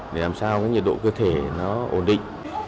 để làm sao nhiệt độ cơ thể ổn định